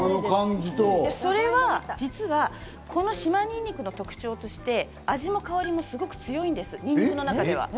それは実は、この島にんにくの特徴として、味も香りもすごく強いんです、にんにくの中では。